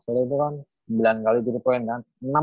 jadi itu kan sembilan kali gitu poin